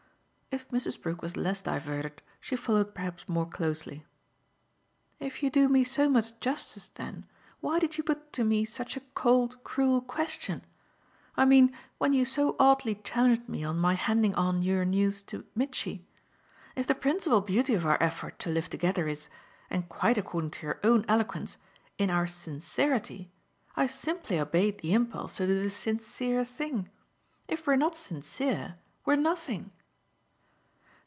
If Mrs. Brook was less diverted she followed perhaps more closely. "If you do me so much justice then, why did you put to me such a cold cruel question? I mean when you so oddly challenged me on my handing on your news to Mitchy. If the principal beauty of our effort to live together is and quite according to your own eloquence in our sincerity, I simply obeyed the impulse to do the sincere thing. If we're not sincere we're nothing."